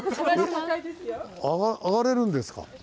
上がれるんですか。